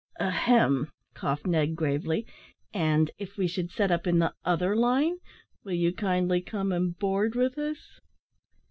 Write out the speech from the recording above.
"Ahem!" coughed Ned gravely, "and if we should set up in the other line, will you kindly come and board with us?"